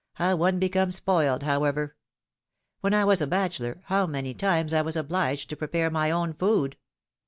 How one becomes spoiled, however ! When I was a bachelor, how many times I was obliged to prepare my own food